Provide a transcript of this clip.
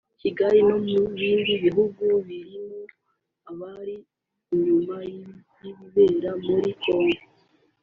Kigali no mu bindi bihugu birimo abari inyuma y’ibibera muri Congo